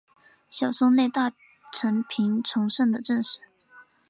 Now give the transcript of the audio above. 小松内大臣平重盛的正室。